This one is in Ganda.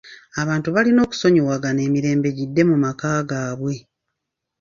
Abantu balina okusonyiwagana emirembe gidde mu maka gaabwe.